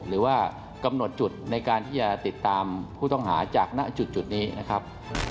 หรือว่ากำหนดจุดในการที่จะติดตามผู้ต้องหาจากณจุดนี้นะครับ